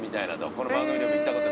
この番組でも行ったことないので。